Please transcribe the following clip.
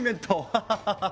ハハハハッ。